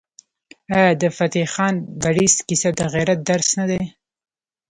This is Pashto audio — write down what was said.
آیا د فتح خان بړیڅ کیسه د غیرت درس نه دی؟